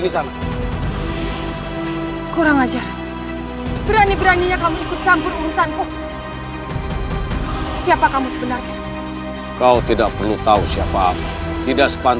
sekarang rasakan ini